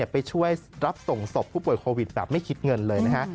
ไปช่วยรับส่งศพผู้ป่วยโควิดแบบไม่คิดเงินเลยนะฮะ